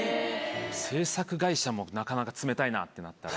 制作会社もなかなか冷たいなってなったら。